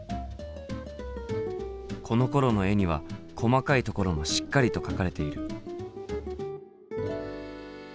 このころの絵には細かいところもしっかりと描かれている。